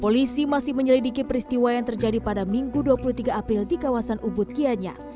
polisi masih menyelidiki peristiwa yang terjadi pada minggu dua puluh tiga april di kawasan ubud kianyar